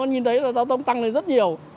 nhìn thấy là giao thông tăng lên rất nhiều